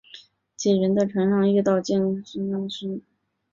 几人在船上遇到决意追随屠苏的襄铃。